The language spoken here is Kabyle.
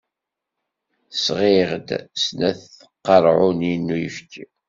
Sɣiɣ-d snat tqerɛunin n uyefki.